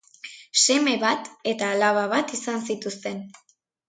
Seme bat eta alaba bat izan zituzten.